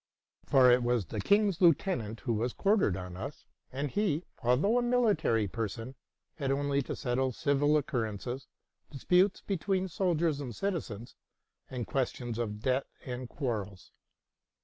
For it was the king's lieutenant who was quartered on us; and 70 TRUTH AND FICTION he, although a military person, had only to settle civil occur rences, disputes between soldiers and citizens, and questions of debt and quarrels.